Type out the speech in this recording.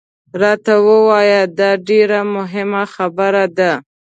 راته ووایه، دا ډېره مهمه خبره ده.